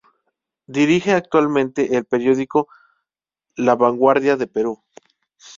Dirige actualmente el periódico La Vanguardia de Perú.